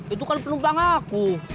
itu kan penumpang aku